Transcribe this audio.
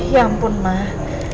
ya ampun mah